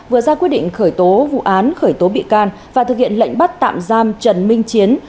vừa ra quyết định khởi tố vụ án khởi tố bị can và thực hiện lệnh bắt tạm giam trần minh chiến